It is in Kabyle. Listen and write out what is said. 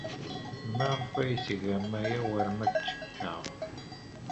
Maɣef ay tgam aya war ma ttekkaɣ?